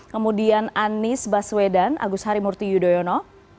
kemudian anies baswedan agus harimurti yudhoyono dua puluh sembilan satu